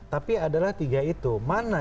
tapi adalah tiga itu mana